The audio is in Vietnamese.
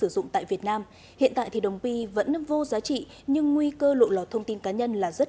dụng tại việt nam hiện tại thì đồng p vẫn vô giá trị nhưng nguy cơ lộ lọt thông tin cá nhân là rất